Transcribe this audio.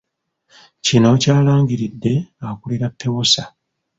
Kino kyalangiridde akulira PEWOSA